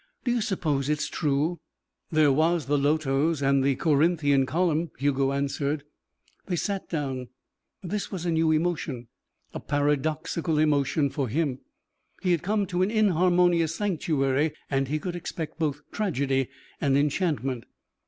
Do you suppose it's true?" "There was the lotos and the Corinthian column," Hugo answered. They sat down. This was a new emotion a paradoxical emotion for him. He had come to an inharmonious sanctuary and he could expect both tragedy and enchantment.